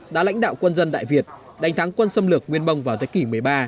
đã lãnh đạo quân dân đại việt đánh thắng quân xâm lược nguyên mông vào thế kỷ một mươi ba